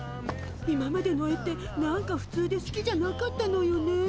今までの絵って何かふつうですきじゃなかったのよね。